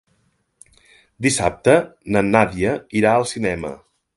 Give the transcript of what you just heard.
Dissabte na Nàdia irà al cinema.